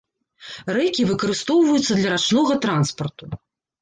Рэкі выкарыстоўваюцца для рачнога транспарту.